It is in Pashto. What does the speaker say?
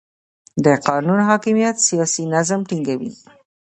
د قانون حاکمیت سیاسي نظم ټینګوي